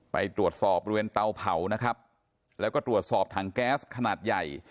ไปตรวจสอบบริเวณเตาเผานะครับแล้วก็ตรวจสอบถังแก๊สขนาดใหญ่